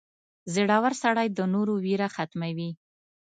• زړور سړی د نورو ویره ختموي.